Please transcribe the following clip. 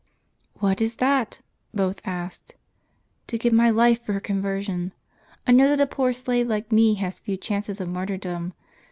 " What is that? " both asked. " To give my life for her conversion. I know that a poor slave like me has few chances of martyrdom.